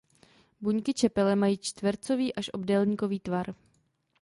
Buňky čepele mají čtvercový až obdélníkový tvar.